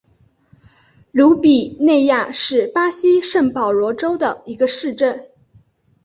鲁比内亚是巴西圣保罗州的一个市镇。